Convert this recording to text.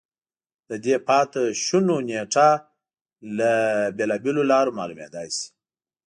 د دې پاتې شونو نېټه له بېلابېلو لارو معلومېدای شي